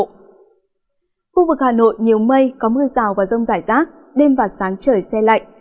khu vực hà nội nhiều mây có mưa rào và rông rải rác đêm và sáng trời xe lạnh